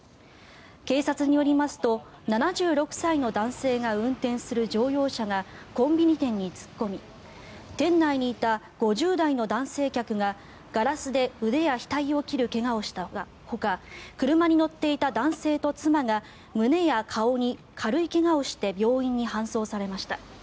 警察によりますと７６歳の男性が運転する乗用車がコンビニ店に突っ込み店内にいた５０代の男性客がガラスで腕や額を切る怪我をしたほか車に乗っていた男性と妻が胸や顔に軽い怪我をして病院に搬送されました。